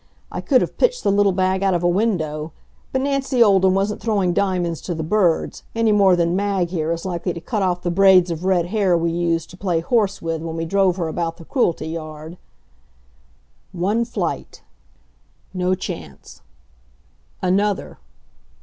I could have pitched the little bag out of a window, but Nancy Olden wasn't throwing diamonds to the birds, any more than Mag here is likely to cut off the braids of red hair we used to play horse with when we drove her about the Cruelty yard. One flight. No chance. Another.